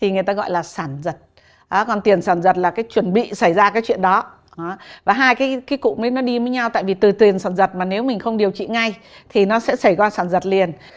nó sẽ xảy qua sản dật liền